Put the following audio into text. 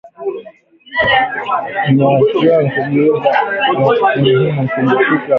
“Ninawasihi kujizuia na ni muhimu kujiepusha na vitendo vya uchokozi, kwa maneno na vitendo, pamoja na uhamasishaji wa nguvu”